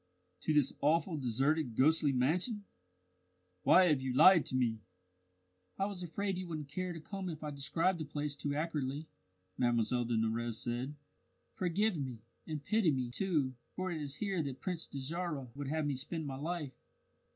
"To this awful, deserted ghostly mansion! Why have you lied to me?" "I was afraid you wouldn't care to come if I described the place too accurately," Mlle de Nurrez said. "Forgive me and pity me, too, for it is here that Prince Dajarah would have me spend my life."